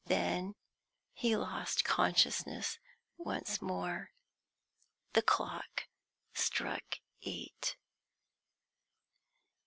Then he lost consciousness once more. The clock struck eight.